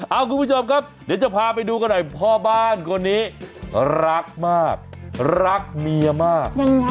เอาคุณผู้ชมครับเดี๋ยวจะพาไปดูกันหน่อยพ่อบ้านคนนี้รักมากรักเมียมาก